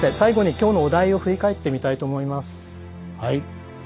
はい。